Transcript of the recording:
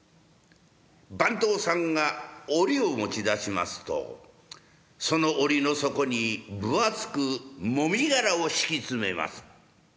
番頭さんが折を持ち出しますとその折の底に分厚くもみ殻を敷き詰めます。